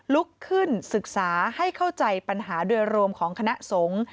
ลุกขึ้นศึกษาให้เข้าใจปัญหาโดยรวมของคณะสงฆ์